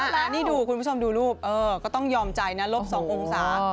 นี่ดูคุณผู้ชมดูรูปก็ต้องยอมใจนะลบ๒องศา